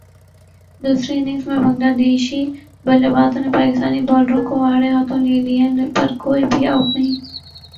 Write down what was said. دوسری اننگز میں بنگلہ دیشی بلے بازوں نے پاکستانی بالروں کو اڑھے ہاتھوں لے لیا پر کوئی بھی اوٹ نہیں